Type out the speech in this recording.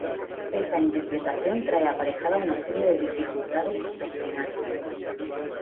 Esta interpretación trae aparejada una serie de dificultades doctrinales.